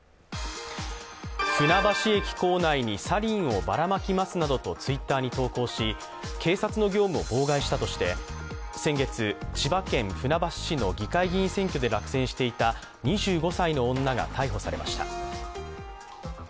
船橋駅構内にサリンをばらまきますなどとＴｗｉｔｔｅｒに投稿し、警察の業務を妨害したとして先月、千葉県船橋市の議会議員選挙で落選していた２５歳の女が逮捕されました。